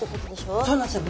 そうなんです。